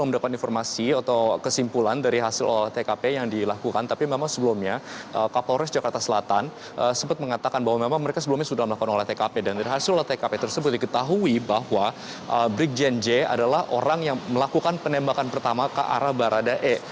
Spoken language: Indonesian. dan dari hasil olah tkp tersebut diketahui bahwa brig jnj adalah orang yang melakukan penembakan pertama ke arah barada e